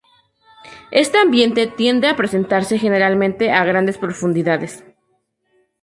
Este ambiente tiende a presentarse generalmente a grandes profundidades.